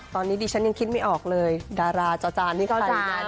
ตอนนี้ดิฉันยังคิดไม่ออกเลยดาราเจ้าจานเป็นใคร